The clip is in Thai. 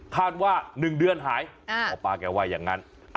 คาดว่าหนึ่งเดือนหายหมอปลาแกว่ยังงั้น